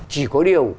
chỉ có điều